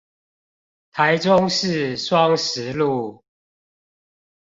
台中市雙十路